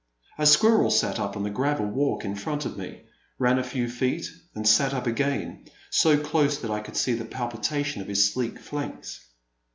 A squirrel sat up on the gravel walk in front of me, ran a few feet, and sat up again, so close that I could see the palpitation of his sleek flanks.